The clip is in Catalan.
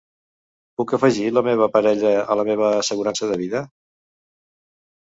Puc afegir la meva parella a la meva assegurança de vida?